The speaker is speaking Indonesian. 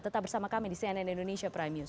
tetap bersama kami di cnn indonesia prime news